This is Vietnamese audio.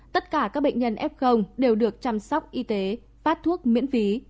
tất cả các bệnh nhân f đều được chăm sóc y tế phát thuốc miễn phí